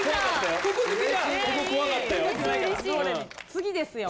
次ですよ。